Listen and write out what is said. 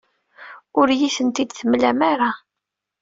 Ur iyi-ten-id-temlam ara.